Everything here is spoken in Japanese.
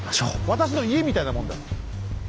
私の家みたいなもんだ。